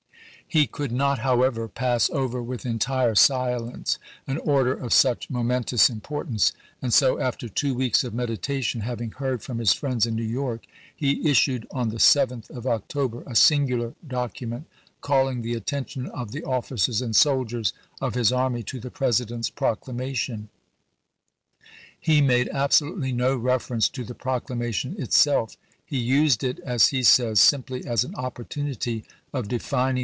He could not, however, pass over with entire silence an order of such momentous importance, and so after two weeks of meditation, having heard from his friends in New York,^ he issued on the 7th of October a singular document calling the atten tion of the officers and soldiers of his army to the President's Proclamation. He made absolutely no reference to the Proclamation itself. He used it, as he says, simply as an opportunity of " defining